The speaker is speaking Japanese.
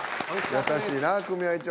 優しいな組合長。